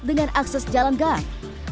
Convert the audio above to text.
dan memiliki akses jalan gang